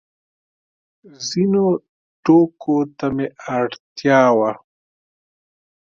ځینو توکو ته مې اړتیا وه.